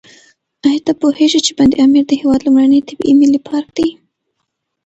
ایا ته پوهېږې چې بند امیر د هېواد لومړنی طبیعي ملي پارک دی؟